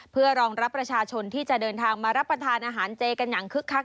เพื่อรองรับประชาชนที่จะเดินทางมารับประทานอาหารเจกันอย่างคึกคัก